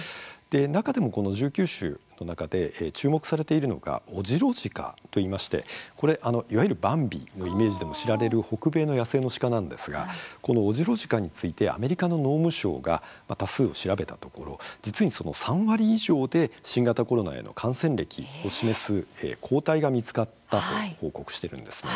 中でもこの１９種の中で注目されているのがオジロジカといいましてこれ、いわゆるバンビのイメージでも知られる北米の野生の鹿なんですがこのオジロジカについてアメリカの農務省が多数を調べたところ実にその３割以上で新型コロナへの感染歴を示す抗体が見つかったと報告しているんですね。